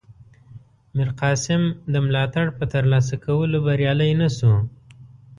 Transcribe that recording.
میرقاسم د ملاتړ په ترلاسه کولو بریالی نه شو.